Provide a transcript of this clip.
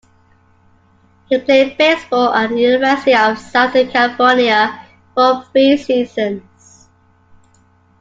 He played baseball at the University of Southern California for three seasons.